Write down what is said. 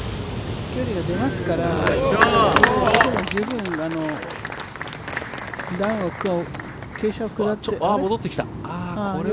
飛距離が出ますから、十分段を、傾斜を下ってあれ？